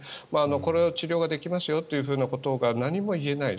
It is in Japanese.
これの治療ができますよということが何も言えない。